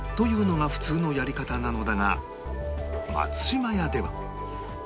というのが普通のやり方なのだが松島屋では